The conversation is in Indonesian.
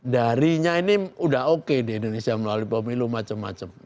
darinya ini udah oke di indonesia melalui pemilu macam macam